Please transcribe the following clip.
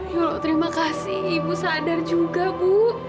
ya allah terima kasih ibu sadar juga bu